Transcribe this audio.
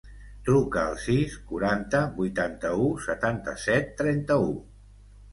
Truca al sis, quaranta, vuitanta-u, setanta-set, trenta-u.